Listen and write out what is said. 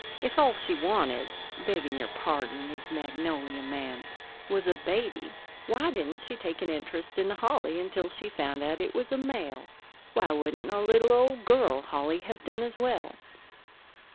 If all she wanted begging your pardon, Miss Magnolia, ma'am was a baby, why didn't she take an interest in the holly until she found out it was a male? Why wouldn't a little old girl holly have done as well?"